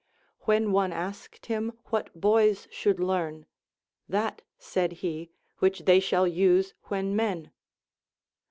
ΛVhen one asked him what boys should learn ; That, said he, which they shall use when men.